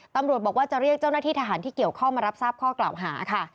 ตำรวจบอกว่าจะเรียกเจ้าหน้าที่ทหารที่เกี่ยวข้องมารับทราบข้อกล่าวหาค่ะ